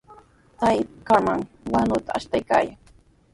Trakraman wanuta ashtaykaayan.